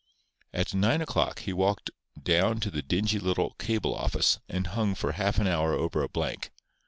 At nine o'clock he walked down to the dingy little cable office and hung for half an hour over a blank.